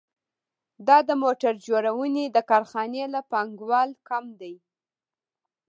دا د موټر جوړونې د کارخانې له پانګوال کم دی